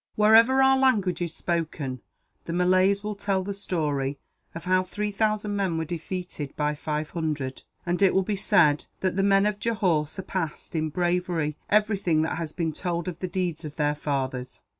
"Wherever our language is spoken, the Malays will tell the story of how three thousand men were defeated by five hundred; and it will be said that the men of Johore surpassed, in bravery, everything that has been told of the deeds of their fathers.